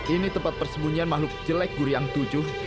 ini tempat persembunyian makhluk jelek guru yang tujuh